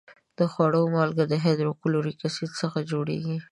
د خوړو مالګه د هایدروکلوریک اسید څخه جوړیږي.